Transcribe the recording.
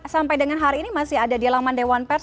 sampai dengan hari ini masih ada di alaman dewan